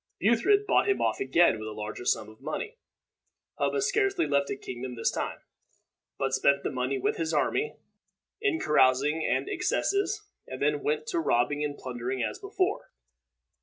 Buthred bought him off again with a larger sum of money. Hubba scarcely left the kingdom this time, but spent the money with his army, in carousings and excesses, and then went to robbing and plundering as before.